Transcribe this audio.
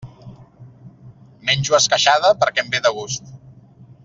Menjo esqueixada perquè em ve de gust.